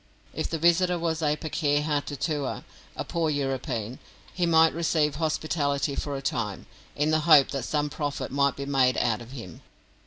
If the visitor was a "pakeha tutua," a poor European, he might receive hospitality for a time, in the hope that some profit might be made out of him.